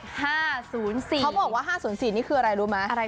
เขาบอกว่า๕๐๔นี่คืออะไรรู้ไหม